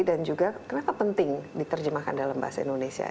juga kenapa penting diterjemahkan dalam bahasa indonesia